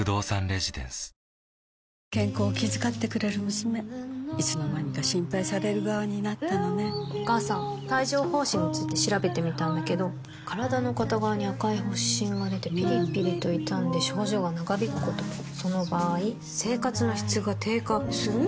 被害届を出すのも新たな被害者を出さないためにお母さん帯状疱疹について調べてみたんだけど身体の片側に赤い発疹がでてピリピリと痛んで症状が長引くこともその場合生活の質が低下する？